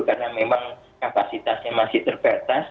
karena memang kapasitasnya masih terbatas